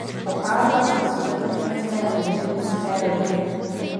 Pocházel ze sudetoněmecké úřednické rodiny.